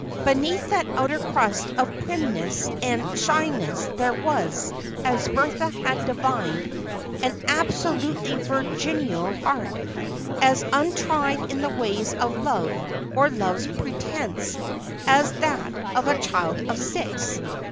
Beneath that outer crust of primness and shyness there was, as Bertha had divined, an absolutely virginal heart, as untried in the ways of love or love's pretense as that of a child of six.